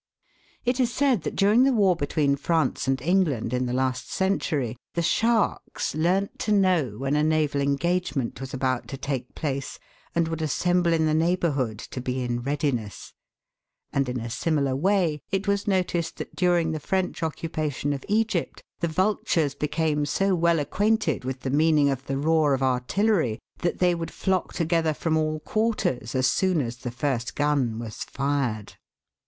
It is said that during the war between France and England in the last century, the sharks learnt to know when a naval engagement was about to take place, and would assemble in the neighbourhood to be in readiness ; and in a similar way it was noticed that during the French occupation of Egypt, the vultures became so well acquainted with the meaning of the roar of artillery that they would flock together from all quarters as soon as the first gun was fired.